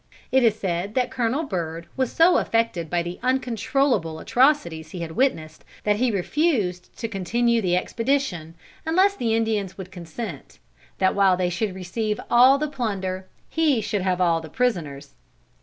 It is said that Colonel Byrd was so affected by the uncontrollable atrocities he had witnessed, that he refused to continue the expedition, unless the Indians would consent, that while they should receive all the plunder, he should have all the prisoners.